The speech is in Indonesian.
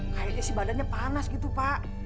akhirnya si badannya panas gitu pak